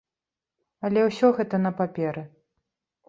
Але ўсё гэта на паперы.